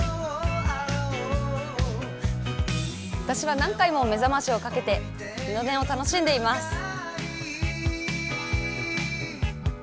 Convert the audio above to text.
私は何回も目覚ましをかけて二度寝を楽しんでいます。